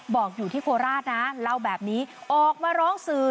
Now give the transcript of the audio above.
บอกอยู่ที่โคราชนะเล่าแบบนี้ออกมาร้องสื่อ